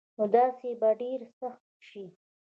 نو داسي به ډيره سخته شي